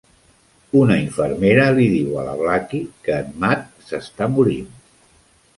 Una infermera li diu a la Blackie que en Mat s'està morint.